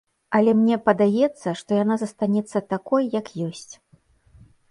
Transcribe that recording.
Але мне падаецца, што яна застанецца такой, як ёсць.